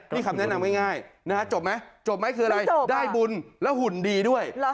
มีคำแนะนำง่ายจบมั้ยคืออะไรได้บุญและหุ่นดีด้วย